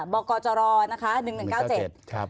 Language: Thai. บอกก่อจะรอนะคะ๑๑๙๗